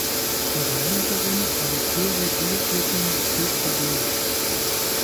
Ihre Managerin war die frühere Biathletin Petra Behle.